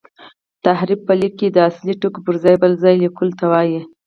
تحریف په لیک کښي د اصلي ټکو پر ځای بل څه لیکلو ته وايي.